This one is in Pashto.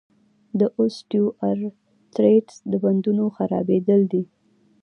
د اوسټیوارتریتس د بندونو خرابېدل دي.